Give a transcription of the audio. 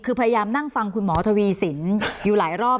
คือพยายามนั่งฟังคุณหมอทวีสินอยู่หลายรอบ